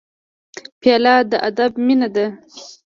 پیاله د ادب مینه ده.